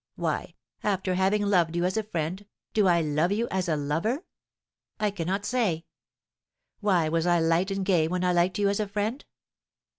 Why, after having loved you as a friend, do I love you as a lover? I cannot say. Why was I light and gay when I liked you as a friend?